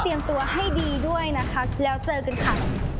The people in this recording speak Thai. ตัวให้ดีด้วยนะคะแล้วเจอกันค่ะ